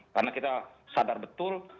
karena kita sadar betul